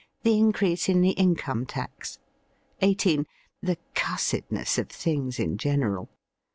The increase in the income tax. 18. The cussedness of things in general.